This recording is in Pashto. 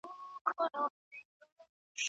باید د فساد پر ضد مبارزه وسي.